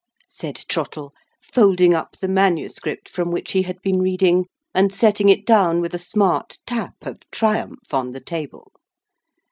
said Trottle, folding up the manuscript from which he had been reading, and setting it down with a smart tap of triumph on the table.